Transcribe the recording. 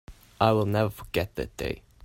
I will never forget that day.